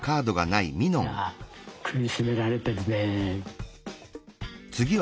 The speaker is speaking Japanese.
いや苦しめられてるね。